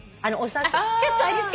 ちょっと味付けたね。